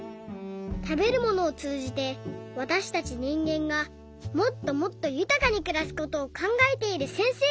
たべるものをつうじて私たちにんげんがもっともっとゆたかにくらすことをかんがえているせんせいなんです。